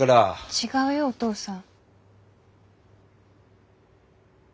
違うよお父さん。